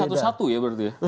satu satu ya berarti ya